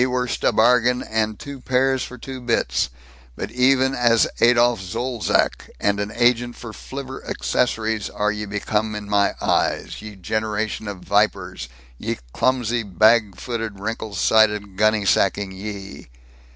Ye werst a bargain and two pairs for two bits. But even as Adolph Zolzac and an agent for flivver accessories are ye become in my eyes, ye generation of vipers, ye clumsy, bag footed, wrinkle sided gunny sacking ye!"